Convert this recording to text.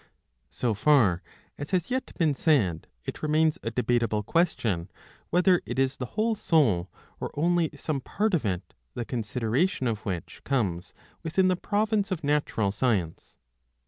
So far as has yet been said it remains a debatable question, whether it is the whole soul or only some part of it, the considera tion of which comes within the province of natural science.